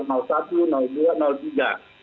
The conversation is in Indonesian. dan kapasitas beliau ini sebagai ketua kapasitas